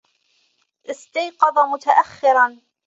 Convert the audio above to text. أستيقظ متأخّراً.